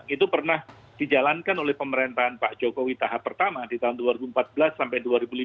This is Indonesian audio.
itu pernah dijalankan oleh pemerintahan pak jokowi tahap pertama di tahun dua ribu empat belas sampai dua ribu lima belas